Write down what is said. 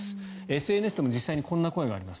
ＳＮＳでも実際にこんな声があります。